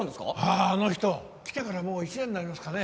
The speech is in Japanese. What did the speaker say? あああの人来てからもう１年になりますかね。